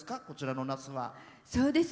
こちらのナスは。